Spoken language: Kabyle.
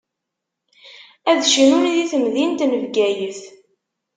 Ad cnun di temdint n Bgayet.